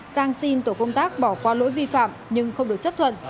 sang xin tổ công tác bỏ qua lỗi vi phạm nhưng không được chấp thuận